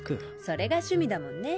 それが趣味だもんね。